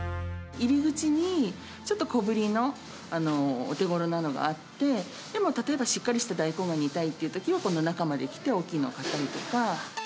入り口に、ちょっと小ぶりのお手ごろなのがあって、でも、例えばしっかりした大根が煮たいというときは、この中まで来て大きいのを買ったりとか。